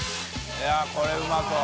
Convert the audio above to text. いやこれうまそう。